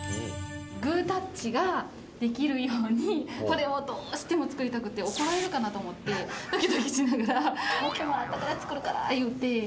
グータッチができるように、これをどうしても作りたくて、怒られるかなと思って、どきどきしながら、ＯＫもらったから作るからって言って。